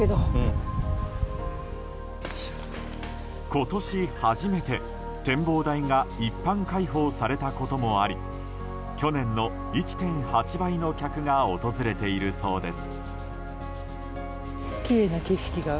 今年初めて、展望台が一般開放されたこともあり去年の１．８倍の客が訪れているそうです。